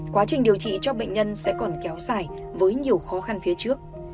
quá trình điều trị cho bệnh nhân sẽ còn kéo dài với nhiều khó khăn phía trước